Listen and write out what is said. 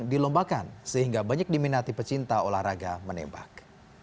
dilombakan sehingga banyak diminati pecinta olahraga menembak